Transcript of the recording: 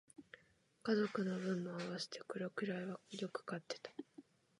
家族の分も合わせてこれくらいはよく買ってた